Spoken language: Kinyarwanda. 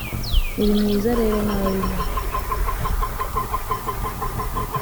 uri mwiza rero nawe bimenye